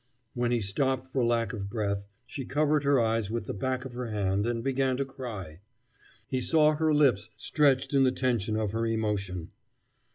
When he stopped for lack of breath, she covered her eyes with the back of her hand, and began to cry; he saw her lips stretched in the tension of her emotion.